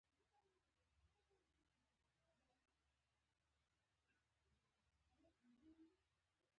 د اسلام د مقدس دین له دایرې څخه وتل دي.